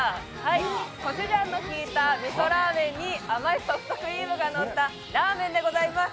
コチュジャンの効いた味噌ラーメンに甘いソフトクリームがのったラーメンでございます。